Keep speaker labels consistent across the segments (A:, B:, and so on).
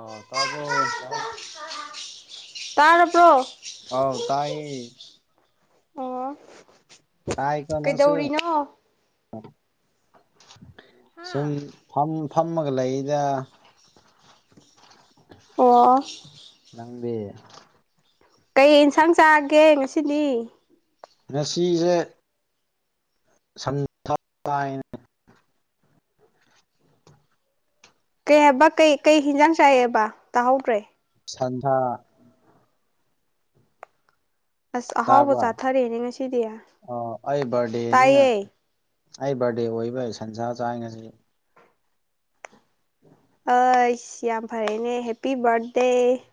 A: ꯑꯥ ꯇꯥꯕ꯭ꯔꯣ
B: ꯇꯥꯔꯔꯕ꯭ꯔꯣ
A: ꯑꯥꯎ ꯇꯥꯏꯌꯦ
B: ꯑꯣ
A: ꯇꯥꯏꯀꯣ ꯅꯪꯁꯨ
B: ꯀꯩꯗꯧꯔꯤꯅꯣ
A: ꯁꯨꯝ ꯐꯝ ꯐꯝꯃꯒ ꯂꯩꯗ
B: ꯑꯣ
A: ꯅꯪꯗꯤ
B: ꯀꯩ ꯏꯟꯁꯥꯡ ꯆꯥꯒꯦ ꯉꯁꯤꯗꯤ
A: ꯉꯁꯤꯁꯦ ꯁꯟꯁꯥ ꯆꯥꯏꯌꯦ
B: ꯀꯩ ꯍꯥꯏꯕ ꯀꯩ ꯀꯩ ꯍꯤꯟꯖꯥꯡ ꯆꯥꯏꯑꯕ ꯇꯥꯍꯧꯗ꯭ꯔꯦ
A: ꯁꯥꯟꯊꯥ
B: ꯑꯁ ꯑꯍꯥꯎꯕ
A: ꯇꯥꯕ
B: ꯆꯥꯊꯔꯦꯅꯦ ꯉꯁꯤꯗꯤ
A: ꯑꯥ ꯑꯩ ꯕꯥꯔꯗꯦꯅꯤꯅ
B: ꯇꯥꯏꯌꯦ
A: ꯑꯩ ꯕꯥꯔꯗꯦ ꯑꯣꯏꯕ ꯁꯟꯁꯥ ꯆꯥꯏ ꯉꯁꯤ
B: ꯑꯁ ꯌꯥꯝ ꯐꯔꯦꯅꯦ ꯍꯦꯄꯤ ꯕꯥꯔꯊꯗꯦ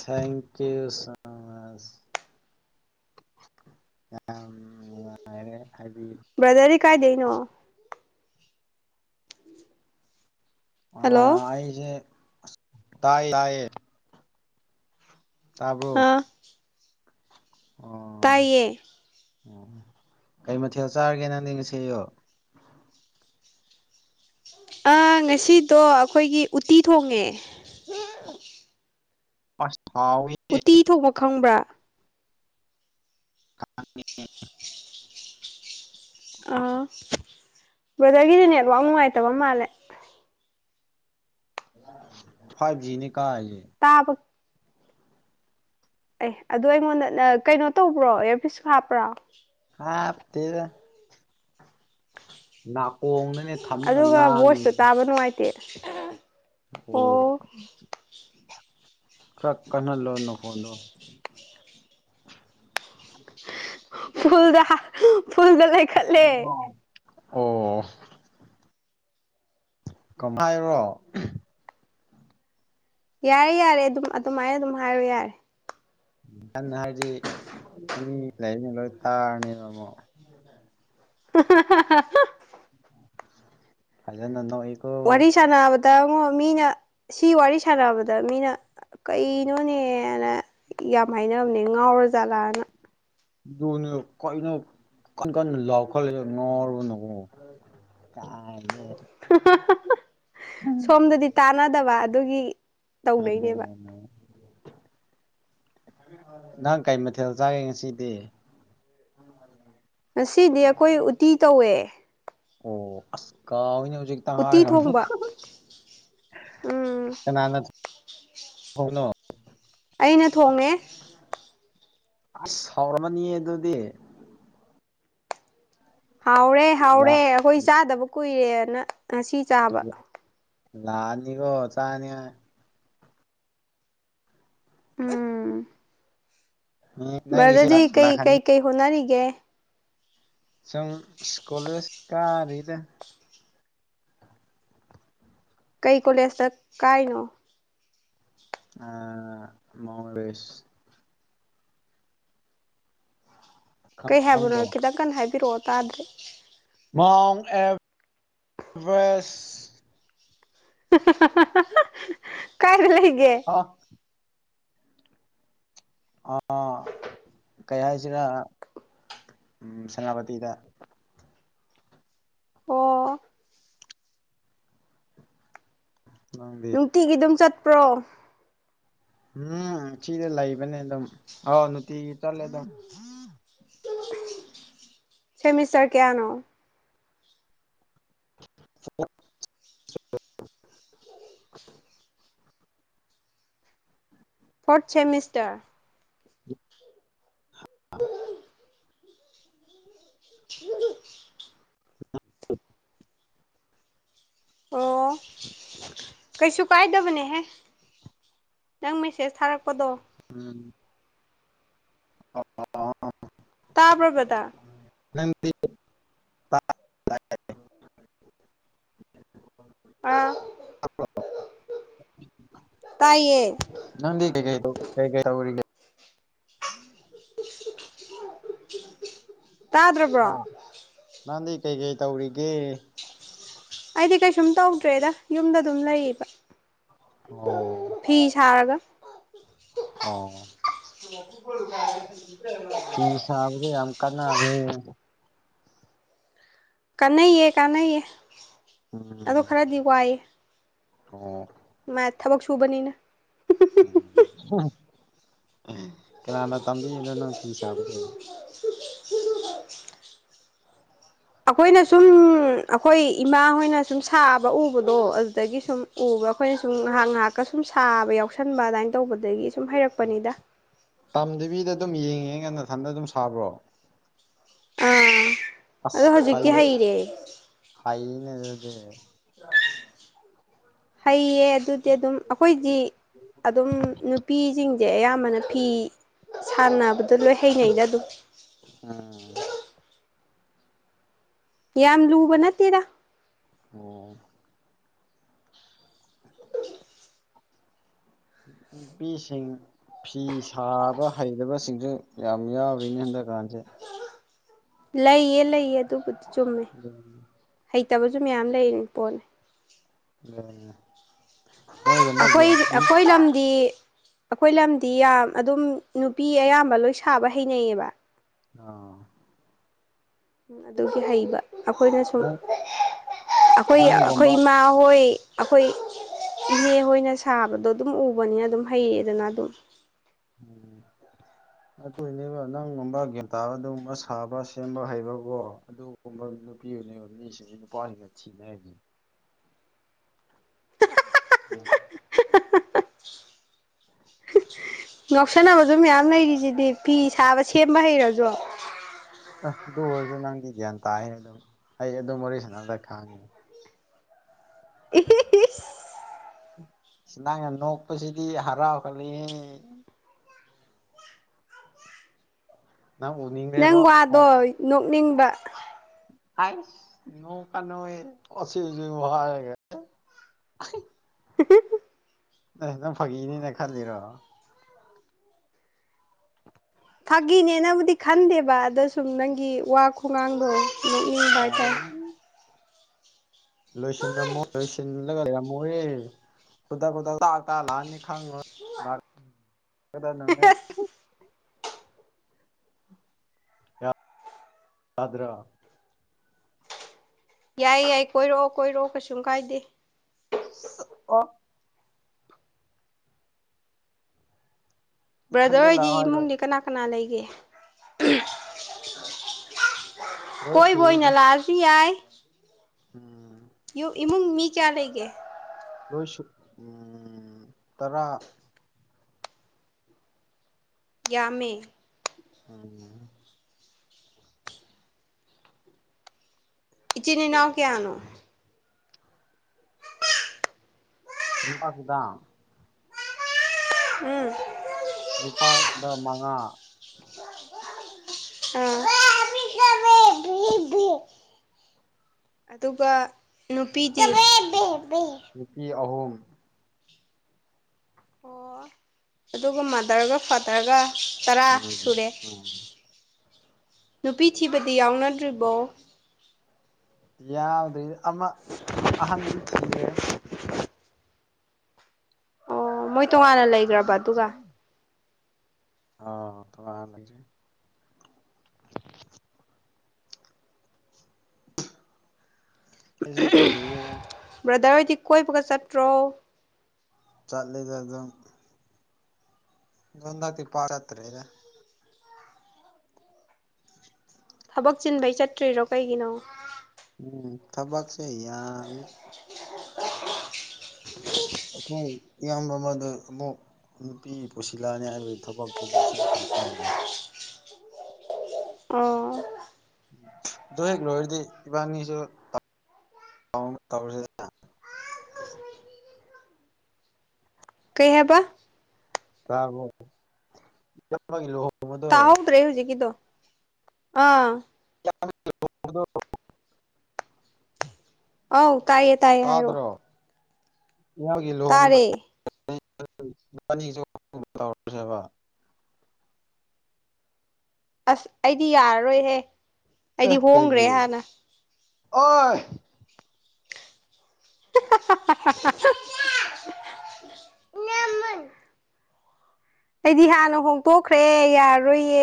A: ꯊꯦꯡꯀ꯭ ꯌꯨ ꯁꯦꯁ ꯑꯥ ꯅꯨꯉꯥꯏꯔꯦ
B: ꯕ꯭ꯔꯥꯗꯔꯗꯤ ꯀꯥꯏꯗꯩꯅꯣ ꯍꯜꯂꯣ
A: ꯑꯥ ꯑꯩꯁꯦ ꯇꯥꯏ ꯇꯥꯏꯌꯦ ꯇꯥꯕ꯭ꯔꯣ
B: ꯑꯥ
A: ꯑꯣ
B: ꯇꯥꯏꯌꯦ
A: ꯀꯩ ꯃꯊꯦꯜ ꯆꯥꯔꯒꯦ ꯅꯪꯗꯤ ꯉꯁꯤꯌꯨꯛ
B: ꯑꯥ ꯉꯁꯤꯗꯣ ꯑꯩꯈꯣꯏꯒꯤ ꯎꯠꯇꯤ ꯊꯣꯡꯉꯦ
A: ꯑꯁ ꯍꯥꯎꯋꯦ
B: ꯎꯇꯤ ꯊꯣꯡꯕ ꯈꯪꯕ꯭ꯔꯥ
A: [unintelligible]
B: ꯑꯥ ꯕ꯭ꯔꯗꯔꯒꯤꯗꯤ ꯅꯦꯠꯋꯥꯛ ꯅꯨꯡꯉꯥꯏꯇꯕ ꯃꯥꯜꯂꯦ
A: ꯐꯥꯏꯚꯖꯤꯅꯦ ꯀꯥꯏꯖꯦ
B: ꯇꯥꯕ ꯑꯦ ꯑꯗꯣ ꯑꯩꯉꯣꯟꯗ ꯀꯩꯅꯣ ꯇꯧꯕ꯭ꯔꯣ ꯏꯌꯥꯔꯄꯤꯁ ꯍꯥꯞꯄ꯭ꯔꯥ
A: ꯍꯥꯞꯇꯦꯗ ꯅꯥꯀꯣꯡꯅꯅꯦ ꯊꯝ ꯑꯒ ꯉꯥꯡꯉꯤꯖꯦ
B: ꯇ [unintelligible]
A: ꯑꯣ ꯀ꯭ꯔꯛ ꯀꯍ ꯂꯣ ꯅꯈꯣꯟꯗꯣ
B: ꯐꯜꯗ ꯐꯨꯜꯗ ꯂꯩ
A: ꯑꯣ ꯀꯃꯥꯏꯔꯣ
B: ꯌꯥꯔꯦ ꯌꯥꯔꯦ ꯑꯗꯨꯝ ꯑꯗꯨꯃꯥꯏꯅ ꯑꯗꯨꯝ ꯍꯥꯏꯔꯣ ꯌꯥꯔꯦ
A: ꯌꯥꯝꯟꯅ ꯍꯥꯏꯗꯤ ꯃꯤ ꯂꯩꯔꯤꯖꯦ ꯂꯣꯏ ꯇꯥꯔꯅꯤꯕ ꯑꯃꯨꯛ
B: [inaudible]
A: ꯐꯖꯅ ꯅꯣꯛ ꯏꯀꯣ
B: ꯇꯥꯉꯣ ꯃꯤꯅ ꯁꯤ ꯋꯥꯔꯤ ꯁꯥꯟꯅꯕꯗ ꯃꯤꯅ ꯀꯩꯅꯣꯅꯦꯅ ꯌꯥꯝ ꯍꯥꯏꯅꯕꯅꯦ ꯉꯥꯎꯔ ꯖꯥꯠꯂꯥꯅ
A: ꯑꯗꯨꯅꯤ ꯀꯣꯏꯅꯧ ꯀꯟ ꯀꯟ ꯂꯎꯈꯠꯂꯤꯁꯦ ꯉꯥꯎꯔꯕ ꯅꯪꯕꯨ
B: ꯍꯥꯍꯥꯍꯥꯍ ꯁꯣꯝꯗꯗꯤ ꯇꯥꯅꯗꯕ ꯑꯗꯨꯒꯤ ꯇꯧꯅꯩꯅꯦꯕ
A: ꯑꯗꯨꯕꯨ ꯅꯪ ꯀꯩ ꯃꯊꯦꯜ ꯆꯥꯒꯦ ꯉꯁꯤꯗꯤ
B: ꯉꯁꯤꯗꯤ ꯑꯩꯈꯣꯏ ꯎꯇꯤ ꯇꯧꯋꯦ
A: ꯑꯣ ꯑꯁ ꯀꯥꯎꯏꯅꯦ ꯍꯧꯖꯤꯛꯇ
B: ꯎꯇꯤ
A: ꯍꯥꯏꯔꯒ
B: ꯊꯣꯡꯕ
A: ꯑꯃꯨꯛꯀ
B: ꯎꯝ
A: ꯀꯅꯅꯥ ꯊꯣꯡꯉꯤꯅꯣ
B: ꯑꯩꯅ ꯊꯣꯡꯉꯦ
A: ꯑꯁ ꯍꯥꯎꯔꯝꯃꯅꯤ ꯌꯦ ꯑꯗꯨꯗꯤ
B: ꯍꯥꯎꯔꯦ ꯍꯥꯎꯔꯦ
A: ꯂꯥꯛ
B: ꯑꯩꯈꯣꯏ ꯆꯥꯗꯕ ꯀꯨꯏꯔꯦꯅ ꯉꯁꯤ ꯆꯥꯕ
A: ꯂꯥꯛꯑꯅꯤꯀꯣ ꯆꯥꯅꯤꯉꯥꯏ
B: ꯎꯝ
A: ꯅꯪꯒꯤꯁꯦ
B: ꯕꯗꯔꯗꯤ ꯀꯩ
A: ꯂꯥꯛꯈꯅꯤ
B: ꯀꯩ ꯀꯩ ꯍꯣꯠꯅꯔꯤꯒꯦ
A: ꯁꯨꯝ ꯀꯣꯂꯦꯁ ꯀꯥꯔꯤꯗ
B: ꯀꯩ ꯀꯣꯂꯦꯖꯇ ꯀꯥꯏꯅꯣ
A: ꯑ ꯃꯣ ꯔꯦꯁ ꯈꯪ
B: ꯀꯩ ꯍꯥꯏꯕꯅꯣ
A: ꯈꯪꯕ꯭ꯔꯣ
B: ꯈꯤꯇꯪ ꯀꯟꯅ ꯍꯥꯏꯕꯤꯔꯛꯑꯣ ꯇꯥꯗ꯭ꯔꯦ
A: ꯃꯥꯎꯟ ꯑꯦꯚꯦꯁ
B: ꯀꯥꯏꯗ ꯂꯩꯒꯦ
A: ꯑ ꯑꯥ ꯀꯩ ꯍꯥꯏꯁꯤꯔꯥ ꯎꯝ ꯁꯦꯅꯥꯄꯇꯤꯗ
B: ꯑꯣ
A: ꯅꯪꯗꯤ
B: ꯅꯨꯡꯇꯤꯒꯤ ꯑꯗꯨꯝ ꯆꯠꯄ꯭ꯔꯣ
A: ꯎꯝ ꯆꯤꯗ ꯂꯏꯕꯅꯦ ꯑꯗꯨꯝ ꯑꯥꯎ ꯅꯨꯡꯇꯤꯒꯤ ꯆꯠꯂꯦ ꯑꯗꯨꯝ
B: ꯁꯦꯃꯤꯁꯇꯔ ꯀꯌꯥꯅꯣ
A: [unintelligible]
B: ꯐꯣꯔꯊ ꯁꯦꯃꯤꯁꯇꯔ
A: [inaudible]
B: [unintelligible] ꯍꯤꯍꯤꯍꯤ
A: [unintelligible]
B: ꯑꯣ ꯀꯩꯁꯨ ꯀꯥꯏꯗꯕꯅꯦꯍꯦ ꯅꯪ ꯃꯦꯁꯦꯁ ꯊꯥꯔꯛꯄꯗꯣ
A: ꯎꯝ ꯑꯣ ꯑꯣ ꯑꯣ
B: ꯇꯥꯕ꯭ꯔꯣ ꯕꯗꯔ
A: [unintelligible]
B: ꯑꯥꯎ
A: ꯅꯪꯗꯤ ꯀꯩ ꯀꯩ ꯇꯧ ꯀꯩ ꯀꯩ ꯇꯧꯔꯤꯒꯦ
B: ꯇꯥꯗ꯭ꯔꯕ꯭ꯔꯣ
A: ꯍꯥ ꯅꯪꯗꯤ ꯀꯩꯀꯩ ꯇꯧꯔꯤꯒꯦ
B: ꯑꯩꯗꯤ ꯀꯩꯁꯨꯝ ꯇꯧꯗ꯭ꯔꯦꯗ ꯌꯨꯝꯗ ꯑꯗꯨꯝ ꯂꯩꯌꯦꯕ
A: ꯑꯣ
B: ꯐꯤ ꯁꯥꯥꯔꯒ
A: ꯑꯣ ꯐꯤ ꯁꯥꯕꯖꯦ ꯌꯥꯝ ꯀꯥꯟꯅꯕꯅꯤꯅꯦ
B: ꯀꯥꯟꯅꯩꯌꯦ ꯀꯥꯟꯅꯩꯌꯦ ꯑꯗꯣ
A: ꯎꯝ
B: ꯈꯔꯗꯤ ꯋꯥꯏꯑꯦ
A: ꯑꯣ
B: ꯃꯥ ꯊꯕꯛ ꯁꯨꯕꯅꯤꯅ
A: ꯀꯅꯥꯅꯣ ꯇꯝꯕꯤꯅꯣ ꯅꯪ ꯄꯤ ꯁꯥꯕꯁꯦ
B: [unintelligible] ꯑꯩꯈꯣꯏꯅ ꯁꯨꯝ ꯑꯩꯈꯣꯏ ꯏꯃꯥ ꯍꯣꯏꯅ ꯁꯨꯝ ꯁꯥꯕ ꯎꯕꯗꯣ ꯑꯗꯨꯗꯒꯤ ꯁꯨꯝ ꯎ ꯎꯔꯒ ꯑꯩꯈꯣꯏꯅ ꯁꯨꯝꯥꯏꯍ ꯉꯥꯏꯍꯥꯛꯀ ꯁꯨꯝ ꯁꯥꯕ ꯌꯥꯎꯁꯟꯕ ꯑꯗꯨꯃꯥꯏꯅ ꯇꯧꯕꯗꯒꯤ ꯁꯨꯝ ꯍꯩꯔꯛꯄꯅꯤꯗ
A: ꯅꯨꯄꯤꯗ ꯑꯗꯨꯝ ꯌꯦꯡꯉꯦ ꯉ ꯃꯊꯟꯗ ꯑꯗꯨꯝ ꯁꯥꯕ꯭ꯔꯣ
B: ꯑꯥ ꯑꯗꯣ
A: ꯑꯁ
B: ꯍꯧꯖꯤꯛꯇꯤ
A: ꯍꯩ
B: ꯍꯩꯔꯦ
A: ꯍꯩꯅꯦ ꯑꯗꯨꯗꯤ
B: ꯍꯩꯌꯦ ꯑꯗꯨꯗꯤ ꯑꯗꯨꯝ ꯑꯩꯈꯣꯏꯗꯤ ꯑꯗꯨꯝ ꯅꯨꯄꯤꯁꯤꯡ ꯗꯤ ꯑꯌꯥꯝꯕꯅ ꯐꯤ ꯁꯥꯟꯅꯕ ꯑꯗꯨ ꯂꯣꯏ ꯍꯩꯅꯩꯗ ꯑꯗꯨꯝ
A: ꯎꯝ
B: ꯌꯥꯝ ꯂꯨꯕꯅ ꯆꯠꯇꯦꯗ
A: ꯑꯣ ꯅꯨꯄꯤꯁꯤꯡ ꯐꯤ ꯁꯥꯕ ꯍꯩꯇꯕꯁꯤꯡꯁꯨ ꯌꯥꯝ ꯌꯥꯎꯔꯤꯅꯤ ꯍꯟꯗꯛꯀꯥꯟꯁꯦ
B: ꯂꯩꯌꯦ ꯂꯩꯌꯦ ꯑꯗꯨꯕꯨꯗꯤ
A: ꯑꯗꯨꯅꯤ
B: ꯂꯩꯇꯕꯁꯨ ꯃꯌꯥꯝ ꯂꯩꯔꯤꯅꯤ ꯄꯣꯠꯅꯤ
A: ꯀꯥꯏꯅ
B: ꯑꯩꯈꯣꯏ ꯑꯩꯈꯣꯏ ꯂꯝꯗꯤ ꯑꯩꯈꯣꯏ ꯂꯝꯗꯤ ꯌꯥꯝ ꯑꯗꯨꯝ ꯅꯨꯄꯤ ꯑꯌꯥꯝꯕ ꯂꯣꯏ ꯁꯥꯕ ꯍꯩꯅꯩꯌꯦꯕ
A: ꯉꯥꯎ
B: ꯎꯝ ꯑꯗꯨꯒꯤ ꯍꯩꯕ ꯑꯩꯈꯣꯏꯅ ꯁꯨꯝ
A: ꯅꯪ
B: ꯑꯩꯈꯣꯏ ꯑꯩꯈꯣꯏ
A: ꯅꯪꯒꯨꯝꯕ
B: ꯏꯃꯥ ꯍꯣꯏ ꯑꯩꯈꯣꯏ ꯏꯅꯦ ꯍꯣꯏꯅ ꯁꯥꯕꯗꯣ ꯑꯗꯨꯝ ꯎꯕꯅꯤꯅ ꯑꯗꯨꯝ ꯍꯩꯌꯦꯗꯅ ꯑꯗꯨꯝ
A: ꯎꯝ ꯑꯗꯨꯏꯅꯦꯕ ꯅꯪꯒꯨꯝꯕ ꯒ꯭ꯌꯥꯟꯇꯥꯕ ꯑꯗꯨꯒꯨꯝꯕ ꯁꯥꯕ ꯁꯦꯝꯕ ꯍꯩꯕꯀꯣ ꯑꯗꯨꯒꯨꯝꯕ ꯅꯨꯄꯤ [unintelligible] ꯃꯤꯁꯤꯡ ꯅꯨꯄꯥꯁꯤꯡꯒ ꯊꯤꯕꯅꯦ ꯍꯥꯏꯖꯤꯅꯤ
B: ꯉꯧꯁꯟꯅꯕꯖꯨ ꯃꯤꯌꯥꯝ ꯂꯩꯔꯤꯁꯤꯗꯤ ꯐꯤ ꯁꯥꯕ ꯁꯦꯝꯕ ꯍꯩꯔꯖꯨ
A: ꯑ ꯑꯗꯨ ꯑꯣꯏꯔꯖꯨ ꯅꯪꯗꯤ ꯒ꯭ꯌꯥꯟ ꯇꯥꯏꯌꯦ ꯑꯗꯨꯝ ꯑꯩ ꯑꯗꯨ ꯋꯥꯔꯤꯔꯤ ꯁꯥꯟꯅꯕꯗ ꯈꯪꯉꯤ
B: [unintelligible]
A: ꯑꯁ ꯅꯪꯅ ꯅꯣꯛꯄꯁꯤꯗꯤ ꯍꯔꯥꯎꯍꯜꯂꯤ ꯅꯪ
B: ꯅꯪ
A: ꯎꯅꯤꯡꯈ꯭ꯔꯦꯕꯣ
B: ꯋꯥꯗꯣ ꯅꯣꯛꯅꯤꯡꯕ
A: ꯍꯥꯏꯁ ꯅꯣꯛꯀꯅꯣꯍꯦ [unintelligible] ꯍꯁꯏꯔꯒ
B: [unintelligible]
A: ꯅ ꯅꯪ ꯐꯥꯒꯤꯅꯤꯅ ꯈꯜꯂꯤꯔꯣ
B: ꯐꯥꯒꯤꯅꯦꯅꯕꯨꯗꯤ ꯈꯟꯗꯦꯕ ꯑꯗ ꯁꯨꯝ ꯅꯪꯒꯤ ꯋꯥ ꯈꯨꯉꯥꯡꯗꯣꯗꯣ ꯅꯣꯛꯅꯤꯡꯕ ꯍꯥꯏꯇꯥꯔꯦ
A: ꯂꯣꯏꯁꯤꯟꯂꯝꯃꯣ ꯂꯣꯏꯁꯤꯂꯒ ꯂꯩꯔꯝꯃꯣ ꯍꯣꯏꯌꯦ ꯈꯨꯗꯛ ꯈꯨꯗꯛ ꯇ ꯇ ꯂꯥꯛꯑꯅꯤ ꯈꯪꯕ ꯀꯗ [unintelligible] ꯇꯥꯗ꯭ꯔꯣ
B: ꯌꯥꯏ ꯌꯥꯏ ꯀꯣꯏꯔꯛꯑꯣ ꯀꯣꯏꯔꯛꯑꯣ ꯀꯩꯁꯨ ꯀꯥꯏꯗꯦ
A: ꯑꯣ
B: ꯕ꯭ꯔꯗꯔ
A: ꯏꯊꯟꯗ
B: ꯍꯣꯏꯗꯤ
A: ꯂꯥꯛꯑꯣ ꯍꯥꯏꯔꯣꯏ
B: ꯏꯃꯨꯡꯗꯤ ꯀꯅꯥ ꯀꯅꯥ ꯂꯩꯒꯦ
A: ꯂꯣꯏ
B: ꯀꯣꯏꯕ ꯑꯣꯏꯅ
A: ꯁꯨꯏꯗ
B: ꯂꯥꯛꯑꯁꯨ ꯌꯥꯏ
A: ꯎꯝ
B: ꯌꯨ ꯏꯃꯨꯡ ꯃꯤ ꯀꯌꯥ ꯂꯩꯒꯦ
A: ꯂꯣꯏ ꯁꯨ ꯎꯝ ꯇꯔꯥ
B: ꯌꯥꯝꯃꯦ
A: ꯎꯝ
B: ꯏꯆꯤꯟ ꯏꯅꯥꯎ ꯀꯌꯥꯅꯣ
A: ꯅꯨꯄꯥ [unintelligible]
B: ꯎꯝ
A: ꯅꯨꯨꯄꯥꯗ ꯃꯉꯥ
B: ꯑ [unintelligible] [unintelligible] ꯑꯗꯨꯒ ꯅꯨꯄꯤꯗꯤ
A: ꯅꯨꯄꯤ [inaudible]
B: ꯑꯣ ꯑꯗꯨꯒ ꯃꯥꯗꯔꯒ ꯐꯥꯗꯔꯒ ꯇꯔꯥ
A: ꯎꯝ
B: ꯁꯨꯔꯦ
A: ꯎꯝ
B: ꯅꯨꯄꯤ ꯊꯤꯕ ꯗꯤ ꯌꯥꯎꯅꯗ꯭ꯔꯤꯕꯣ
A: ꯌꯥꯎꯗ꯭ꯔꯤ ꯑꯃ ꯑꯍꯟꯗꯤ ꯊꯤꯔꯦ
B: ꯑꯣ ꯃꯣꯏ ꯇꯣꯉꯥꯟꯅ ꯂꯩꯒ꯭ꯔꯕ ꯑꯗꯨꯒ
A: ꯑ [unintelligible] ꯑꯩꯁꯨ ꯀꯨꯏꯔꯣꯏꯕ
B: ꯕ꯭ꯔꯗꯔ ꯍꯣꯏꯗꯤ ꯀꯣꯏꯕꯒ ꯆꯠꯇ꯭ꯔꯣ
A: ꯆꯠꯂꯤꯗ ꯑꯗꯨꯝ [unintelligible] ꯄꯥꯔꯛꯇ꯭ꯔꯦꯗ
B: ꯊꯕꯛ ꯆꯤꯟꯕꯩ ꯆꯠꯇ꯭ꯔꯤꯔꯣ ꯀꯩꯒꯤꯅꯣ
A: ꯎꯝ ꯊꯕꯛꯁꯦ ꯌꯥꯝꯃꯦ
B: [unintelligible]
A: ꯑꯩꯈꯣꯏ ꯏꯌꯥꯝꯕ ꯑꯃꯗ ꯑꯃꯨꯛ ꯅꯨꯄꯤ ꯄꯨꯣꯁꯂꯛꯑꯅꯤ ꯍꯥꯏꯕ ꯊꯕꯛ ꯐꯧꯠꯝꯁꯤꯡ ꯐꯪꯍꯟꯅꯤꯡꯉꯤ
B: ꯑꯣ
A: ꯑꯗꯨ ꯍꯦꯛ ꯂꯣꯏꯔꯗꯤ ꯏꯕꯥꯅꯤꯁꯨ ꯀꯥꯎ ꯑꯃ [unintelligible]
B: ꯀꯩ ꯍꯥꯏꯕ
A: ꯇ ꯆꯠꯂꯣ [unintelligible]
B: ꯇꯥꯍꯧꯗ꯭ꯔꯦ ꯍꯧꯖꯤꯀꯤꯗꯣ ꯑꯥ
A: [unintelligible]
B: ꯑꯥꯎ ꯇꯥꯏꯌꯦ ꯇꯥꯏꯌꯦ ꯍꯥꯏꯌꯣ
A: ꯇꯥꯗ꯭ꯔꯣ ꯏꯌꯥꯝꯕꯒꯤ ꯂꯨꯍꯣꯡꯕꯗꯣ ꯍꯦꯛ ꯂꯣꯏꯕꯒꯥ ꯏꯕꯅꯤꯒꯤꯁꯨ ꯂꯨꯍꯣꯡꯅꯕ ꯇꯧꯔꯁꯦꯕ
B: ꯑꯁ ꯑꯩꯗꯤ ꯌꯥꯔꯔꯣꯏꯍꯦ
A: ꯑꯦ
B: ꯑꯩꯗꯤ ꯍꯣꯡꯈ꯭ꯔꯦ
A: ꯀꯩꯒꯤ
B: ꯍꯥꯟꯅ
A: ꯑꯣꯏ
B: ꯍꯥꯍꯥꯍꯥ ꯅꯃꯥ ꯑꯩꯗꯤ ꯍꯥꯟꯅ ꯍꯣꯡꯇꯣꯛꯈ꯭ꯔꯦ ꯌꯥꯔꯣꯏꯌꯦ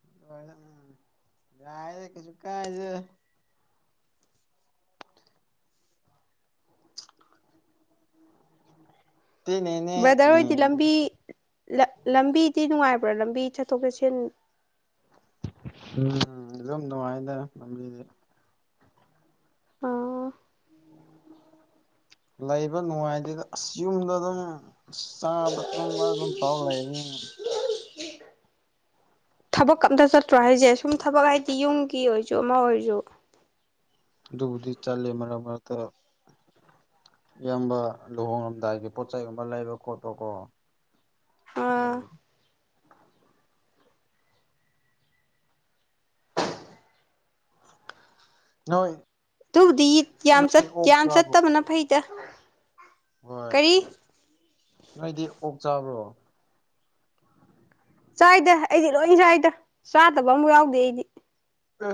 A: ꯑ ꯀ ꯆꯗ [unintelligible] ꯇꯦꯅꯦꯅꯦ
B: ꯕ꯭ꯔꯗꯔ
A: ꯅꯦ
B: ꯍꯣꯏꯗꯤ
A: ꯎꯝ
B: ꯂꯝꯕꯤ ꯂꯝꯕꯤꯗꯤ ꯅꯨꯡꯉꯥꯏꯕ ꯂꯝꯕꯤ ꯆꯠꯊꯣꯛ ꯆꯠꯁꯤꯟ
A: ꯎꯝ ꯑꯗꯨꯝ ꯅꯨꯡꯉꯥꯏꯅ ꯂꯝꯕꯤꯗꯤ
B: ꯑꯣ
A: ꯂꯩꯕ ꯅꯨꯡꯉꯥꯏꯇꯦꯗ ꯑꯁ ꯌꯨꯝꯗ ꯑꯗꯨꯝ ꯆꯥꯕ ꯇꯨꯝꯕ ꯑꯗꯨ ꯇꯧ ꯂꯩꯕꯅꯤꯅꯥ
B: ꯊꯕꯛꯀ ꯝꯇ ꯆꯠꯇ꯭ꯔꯣ ꯍꯥꯏꯁꯦ ꯁꯨꯝ ꯊꯕꯛ ꯍꯥꯏꯗꯤ ꯌꯨꯝꯒꯤ ꯑꯣꯏꯔꯁꯨ ꯑꯃ ꯑꯣꯏꯔꯁꯨ
A: ꯑꯗꯨꯕꯨꯗꯤ ꯆꯠꯂꯦ ꯃꯔꯛ ꯃꯔꯛꯇ ꯏꯌꯥꯝꯕ ꯂꯨꯍꯣꯡꯉꯝꯗꯥꯏꯒꯤ ꯄꯣꯠꯆꯩꯒꯨꯝꯕ ꯂꯩꯕ ꯈꯣꯠꯄ ꯀꯣ
B: ꯑꯥ
A: ꯎꯝ ꯅꯣꯏ
B: ꯑꯗꯨꯕꯨꯗꯤ ꯌꯥꯝ
A: ꯑꯣꯛ
B: ꯌꯥꯝ
A: ꯆꯥꯕ꯭ꯔꯣ
B: ꯆꯠꯇꯕꯅ ꯐꯩꯗ
A: ꯍꯣꯏ
B: ꯀꯔꯤ
A: ꯅꯣꯏꯗꯤ ꯑꯣꯛ ꯆꯥꯕ꯭ꯔꯣ
B: ꯆꯥꯏꯗ ꯑꯩꯗꯤ ꯂꯣꯏ ꯆꯥꯏꯗ ꯆꯥꯗꯕ ꯑꯃꯨꯛ ꯌꯥꯎꯗꯦ ꯑꯩꯗꯤ
A: ꯑꯦ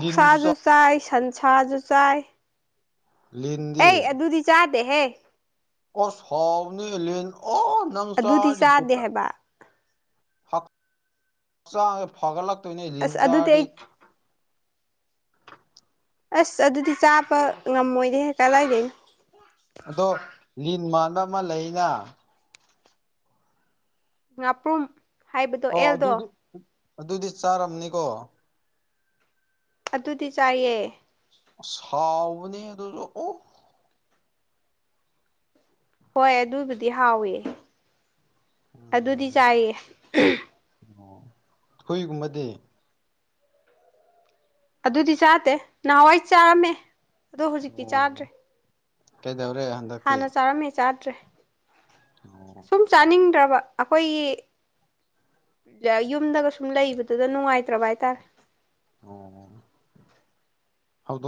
A: ꯂꯤꯟꯁꯨ ꯆꯥ
B: ꯆꯥꯏ ꯁꯟꯁꯥꯁꯨ ꯆꯥꯏ
A: ꯂꯤꯟꯗꯤ
B: ꯑꯩ ꯑꯗꯨꯗꯤ ꯆꯥꯗꯦꯍꯦ
A: ꯑꯣꯁ ꯍꯥꯎꯅꯤ ꯂꯤꯟ ꯑꯣ ꯅꯪ
B: ꯑꯗꯨꯗꯤ
A: ꯆꯔꯥꯗꯤ
B: ꯆꯥꯗꯦ
A: ꯕꯤꯇꯥ
B: ꯍꯥꯏꯕ
A: ꯍꯛꯆ ꯐꯒꯜꯂꯛꯛꯇꯣꯏꯅꯦ ꯂꯤꯟ
B: ꯑꯁ ꯑꯗꯨꯗꯤ
A: ꯆꯔꯗꯤ
B: ꯑꯩ ꯑꯁ ꯑꯗꯨꯗꯤ ꯆꯥꯕ ꯉꯝꯃꯣꯏ ꯍꯦ ꯀꯗꯥꯏꯗꯩꯅꯣ
A: ꯑꯗꯣ ꯂꯤꯟ ꯃꯥꯟꯕ ꯑꯃ ꯂꯩꯅ
B: ꯉꯥꯄ꯭ꯔꯨꯝ ꯍꯥꯏꯕꯗꯣ
A: ꯑꯣ
B: ꯑꯦꯜꯗꯣ
A: ꯑꯗꯨꯗꯤ ꯑꯗꯨꯗꯤ ꯆꯥꯔꯝꯅꯤꯀꯣ
B: ꯑꯗꯨꯗꯤ ꯆꯥꯏꯌꯦ
A: ꯁꯥꯥꯎꯥꯎꯅꯤ ꯑꯗꯨꯁꯨ ꯑꯣ
B: ꯍꯣꯏ ꯑꯗꯨꯕꯨꯗꯤ ꯍꯥꯎꯋꯦ ꯑꯗꯨꯗꯤ
A: ꯎꯝ
B: ꯆꯥꯏꯌꯦ
A: ꯑꯣ ꯍꯨꯏ ꯒꯨꯝꯕꯗꯤ
B: ꯑꯗꯨꯗꯤ ꯆꯥꯇꯦ ꯅꯍꯥꯟꯋꯥꯏ ꯆꯥꯔꯝꯃꯦ ꯑꯗꯣ ꯍꯧꯖꯤꯛꯇꯤ
A: ꯑꯣ
B: ꯆꯥꯗ꯭ꯔꯦ
A: ꯀꯩꯗꯧꯔꯦ ꯍꯟꯗꯛꯇꯤ
B: ꯍꯥꯟꯅ ꯆꯥꯔꯝꯃꯦ ꯆꯥꯗ꯭ꯔꯦ
A: ꯑꯣ
B: ꯁꯨꯝ ꯆꯥꯅꯤꯡꯗ꯭ꯔꯕ ꯑꯩꯈꯣꯏꯒꯤ ꯌꯨꯝꯗꯒ ꯁꯨꯝ ꯂꯩꯕꯗꯨꯗ ꯅꯨꯡꯉꯥꯏꯇ꯭ꯔꯕ ꯍꯥꯏꯇꯥꯔꯦ
A: ꯑꯣ ꯍꯧ